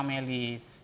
kemudian ada melis